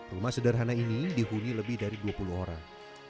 rumah sederhana ini dihuni lebih dari dua puluh orang